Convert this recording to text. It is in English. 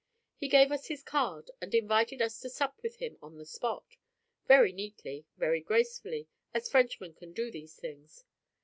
He gave us his card and invited us to sup with him on the spot, very neatly, very gracefully, as Frenchmen can do these things.